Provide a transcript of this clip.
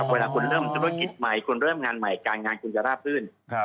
เวลาคุณเริ่มธุรกิจใหม่คุณเริ่มงานใหม่การงานคุณจะราบรื่น